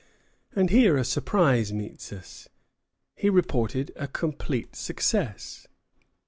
And here a surprise meets us. He reported a complete success.